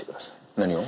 何を？